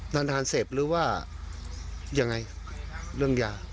นานทานเสพหรือว่ายังไงเรื่องยา